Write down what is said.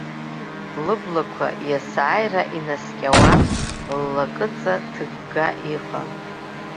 Лыблагәқәа иасааира инаскьауан, ллакыҵа ҭыгга иҟан.